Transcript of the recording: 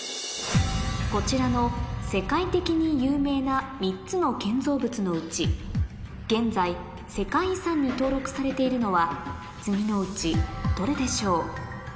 こちらの世界的に有名な３つの建造物のうち現在世界遺産に登録されているのは次のうちどれでしょう？